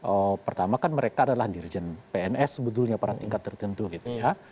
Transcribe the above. oh pertama kan mereka adalah dirjen pns sebetulnya pada tingkat tertentu gitu ya